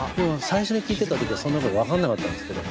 最初に聴いてた時はそんなこと分かんなかったんですけど。